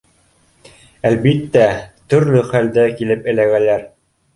Әлбиттә, төрлө хәлдә килеп эләгәләр